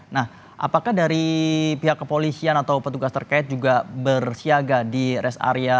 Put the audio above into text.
nah apakah dari pihak kepolisian atau petugas terkait juga bersiaga di rest area